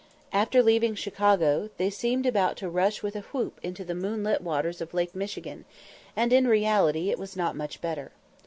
After leaving Chicago, they seemed about to rush with a whoop into the moonlit waters of Lake Michigan, and in reality it was not much better.